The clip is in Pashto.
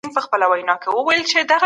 په تورونو کي دي